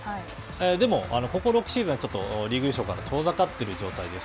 でも、ここ６シーズンはリーグ優勝から遠ざかっている状況です。